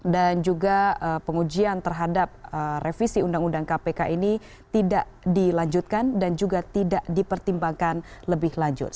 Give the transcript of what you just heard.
dan juga pengujian terhadap revisi undang undang kpk ini tidak dilanjutkan dan juga tidak dipertimbangkan lebih lanjut